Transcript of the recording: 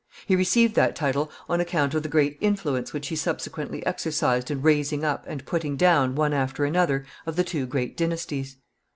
He received that title on account of the great influence which he subsequently exercised in raising up and putting down one after another of the two great dynasties.